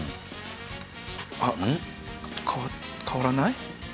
あっ変わ変わらない？